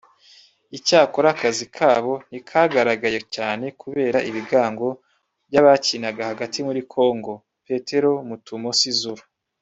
Icyakora akazi kabo ntikagaragaye cyane kubera ibigango by’abakinaga hagati muri Congo; Peter Mutumosi Zulu